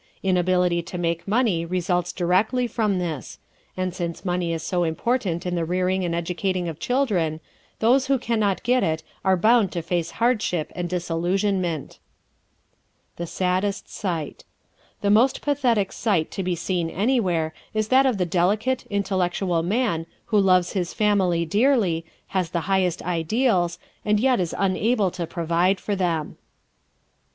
Inability to make money results directly from this, and since money is so important in the rearing and educating of children, those who can not get it are bound to face hardship and disillusionment. The Saddest Sight ¶ The most pathetic sight to be seen anywhere is that of the delicate, intellectual man who loves his family dearly, has the highest ideals and yet is unable to provide for them.